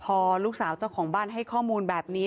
พอลูกสาวเจ้าของบ้านให้ข้อมูลแบบนี้